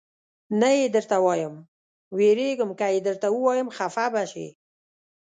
نه یې درته وایم، وېرېږم که یې درته ووایم خفه به شې.